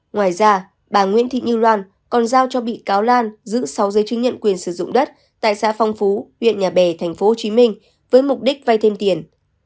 ngoài ra bà nguyễn thị như loan còn giao cho bị cáo lan giữ sáu giấy chứng nhận quyền sử dụng đất tại xã phong phú huyện nhà bè tp hcm với mục đích vay thêm tiền